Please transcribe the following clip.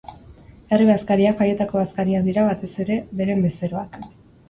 Herri-bazkariak, jaietako bazkariak dira batez ere beren bezeroak.